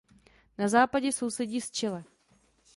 Na západě sousedí s Chile.